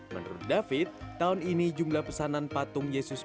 menurut david tahun ini jumlah pesanan patung yesus